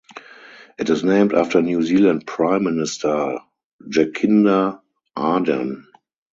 It is named after New Zealand Prime Minister Jacinda Ardern.